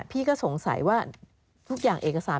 พี่ก็สงสัยว่าทุกอย่างเอกสาร